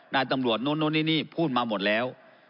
นายตำรวจนู่นนี่นี่พูดมาหมดแล้ว